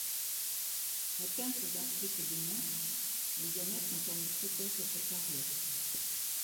Atteinte d'arthrite des mains, elle doit mettre un terme précoce à sa carrière.